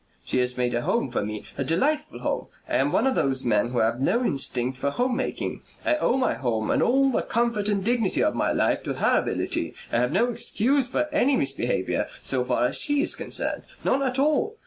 She has made a home for me a delightful home. I am one of those men who have no instinct for home making. I owe my home and all the comfort and dignity of my life to her ability. I have no excuse for any misbehaviour so far as she is concerned. None at all.